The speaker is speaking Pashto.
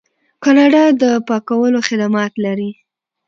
کاناډا د پاکولو خدمات لري.